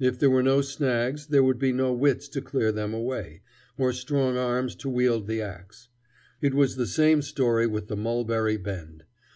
If there were no snags, there would be no wits to clear them away, or strong arms to wield the axe. It was the same story with the Mulberry Bend.